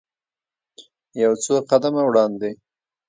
یو څو قدمه وړاندې.